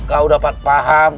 kau dapat paham